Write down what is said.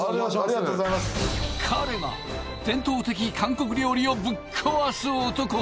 彼が伝統的韓国料理をぶっ壊す男